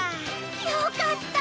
よかった！